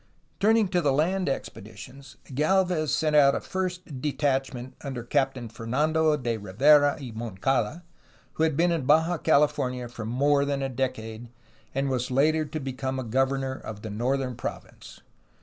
Turning to the land expeditions, Galvez sent out a first detachment under Captain Fernando de Rivera y Moncada, who had been in Baja California for more than a decade and was later to become a governor of the northern province.